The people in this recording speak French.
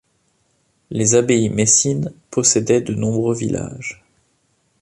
Les abbayes messines possédaient de nombreux villages.